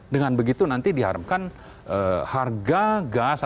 dengan begitu nanti diharapkan harga minyak dunia itu akan tersedia